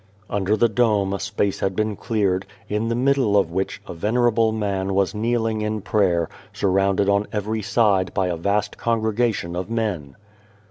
Under the dome a space had been cleared, in the middle of which a venerable man was kneeling in prayer, surrounded on every side by a vast congregation of men.